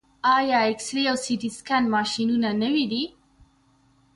آیا اکسرې او سټي سکن ماشینونه نوي دي؟